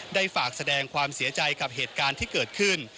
ได้ฝากแสดงความเสียใจกับเหตุการณ์ที่เกิดขึ้น